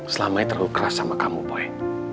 selamanya terlalu keras sama kamu boy